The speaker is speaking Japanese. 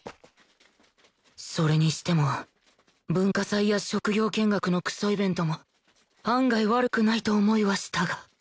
それにしても文化祭や職業見学のクソイベントも案外悪くないと思いはしたが